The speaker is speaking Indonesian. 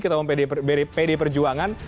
ketemu pd perjuangan